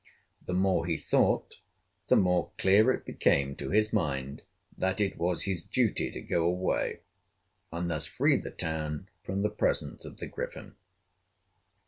The more he thought, the more clear it became to his mind that it was his duty to go away, and thus free the town from the presence of the Griffin.